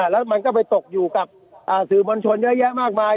แล้วมันก็ไปตกอยู่กับสื่อมวลชนเยอะแยะมากมาย